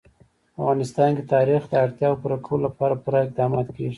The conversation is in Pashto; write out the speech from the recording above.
په افغانستان کې د تاریخ د اړتیاوو پوره کولو لپاره پوره اقدامات کېږي.